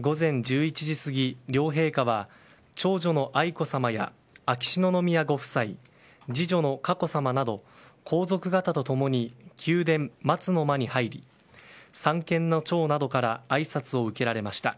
午前１１時過ぎ、両陛下は長女の愛子さまや秋篠宮ご夫妻次女の佳子さまなど皇族方と共に宮殿・松の間に入り三権の長などからあいさつを受けられました。